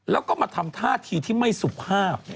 แล้วก็มาทำท่าทีที่ไม่สุภาพ